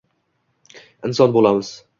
Inson bo’lamiz.